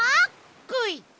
こい。